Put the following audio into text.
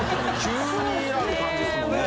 急にある感じですもんね。